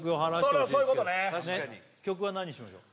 曲は何しましょう？